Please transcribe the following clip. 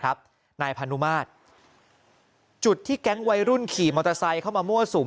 นายพานุมาตรจุดที่แก๊งวัยรุ่นขี่มอเตอร์ไซค์เข้ามามั่วสุม